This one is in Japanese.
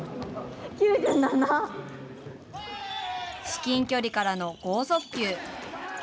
至近距離からの剛速球。